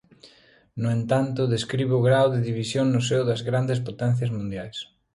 No entanto, describe o grao de división no seo das grandes potencias mundiais.